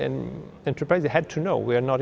đến cuối năm trước